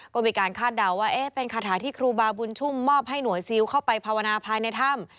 ก็มีการคาดเดาว่าเป็นคาถาที่ครูบาบุญชุ่มมอบให้หน่วยซิลเข้าไปภาวนาภายในถ้ำ